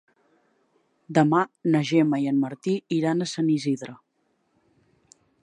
Demà na Gemma i en Martí iran a Sant Isidre.